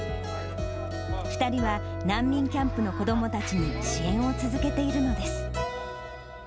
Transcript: ２人は難民キャンプの子どもたちに支援を続けているのです。